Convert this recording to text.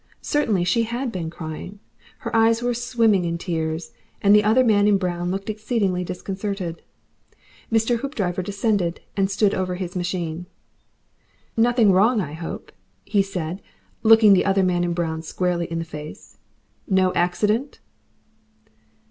Certainly she had been crying; her eyes were swimming in tears, and the other man in brown looked exceedingly disconcerted. Mr. Hoopdriver descended and stood over his machine. "Nothing wrong, I hope?" he said, looking the other man in brown squarely in the face. "No accident?"